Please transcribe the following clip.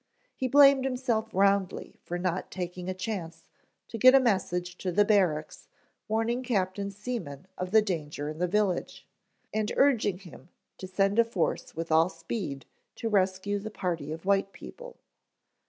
He blamed himself roundly for not taking a chance to get a message to the barracks warning Captain Seaman of the danger in the village, and urging him to send a force with all speed to rescue the party of white people.